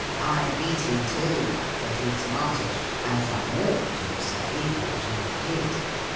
I beat he, too, pretty smartish, asj I ought, you will say, for to have did.